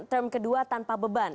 term kedua tanpa beban